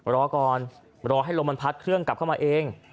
รอก่อนรอให้ลมมันพัดเครื่องกลับเข้ามาเอง